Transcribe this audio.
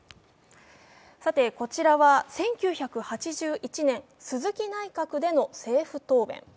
さて、こちらは１９８１年鈴木内閣での政府答弁。